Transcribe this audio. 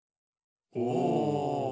お！